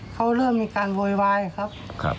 เขาเริ่มมีการโวยวายครับ